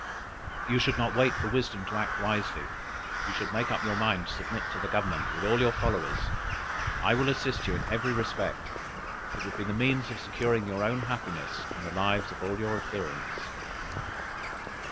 You should not wait for wisdom to act wisely; you should make up your mind to submit to the Government with all your followers. I will assist you in every respect, it would be the means of securing your own happiness and the lives of all your adherents.'"